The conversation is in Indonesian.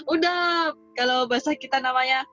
udah kalau bahasa kita namanya